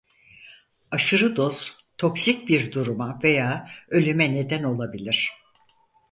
Aşırı doz toksik bir duruma veya ölüme neden olabilir.